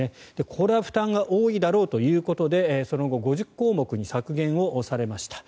これは負担が多いだろうということでその後、５０項目に削減されました。